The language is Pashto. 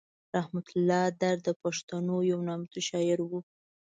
رحمت الله درد د پښتنو یو نامتو شاعر و.